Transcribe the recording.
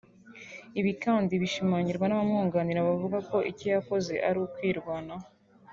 Ibi kandi bishimangirwa n'abamwunganira bavuga ko icyo yakoze ari ukwirwanaho